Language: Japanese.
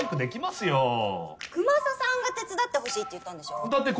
よくまささんが手伝ってほしいって言ったんでしょだって